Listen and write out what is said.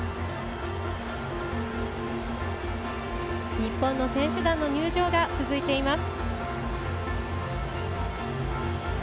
日本の選手団の入場が続いています。